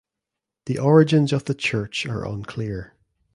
The origins of the church are unclear.